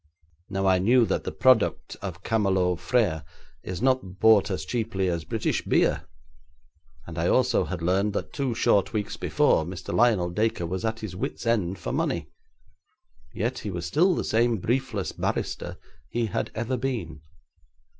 Now I knew that the product of Camelot Frères is not bought as cheaply as British beer, and I also had learned that two short weeks before Mr. Lionel Dacre was at his wits' end for money. Yet he was still the same briefless barrister he had ever been.